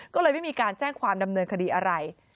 ก็เลยไม่มีการแจ้งความดำเนินคดีอะไร